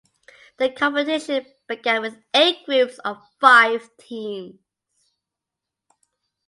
The competition began with eight groups of five teams.